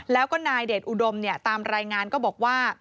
แล้วก็นายเดชอุดมเนี่ยตามรายงานก็บอกว่า